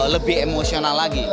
lebih emosional lagi